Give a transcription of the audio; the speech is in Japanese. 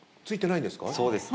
そうです。